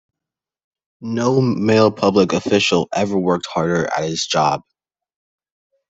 No male public official ever worked harder at his job.